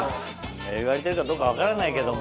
いわれてるかどうか分からないけども。